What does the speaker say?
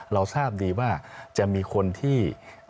เราทราบดีว่าจะมีคนที่